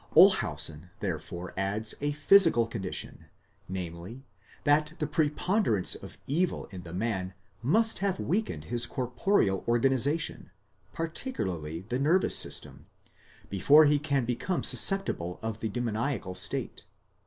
Olshausen therefore adds a physical condition, namely, that the preponderance of evil in the man must have weakened his corporeal organization, particularly the nervous system, before he can become suscep tible of the demoniacal state.